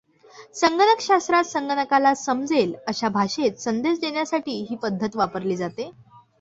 संगणक शास्त्रात, संगणकाला समजेल अशा भाषेत संदेश देण्यासाठी ही पद्धत वापरली जाते.